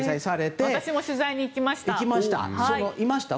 私も取材に行きました。